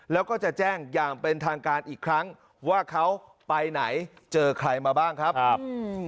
แล้วก็จะแจ้งอย่างเป็นทางการอีกครั้งว่าเขาไปไหนเจอใครมาบ้างครับครับอืม